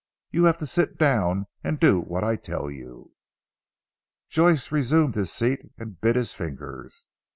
You have to sit down and do what I tell you." Joyce resumed his seat and bit his fingers.